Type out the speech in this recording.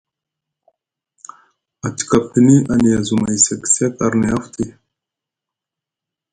A tika pini a niya azumay sek sek arni afti.